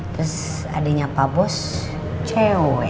terus adiknya pak bos ceo